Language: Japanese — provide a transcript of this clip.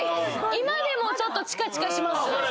今でもちょっとチカチカします。